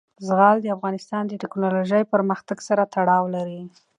زغال د افغانستان د تکنالوژۍ پرمختګ سره تړاو لري.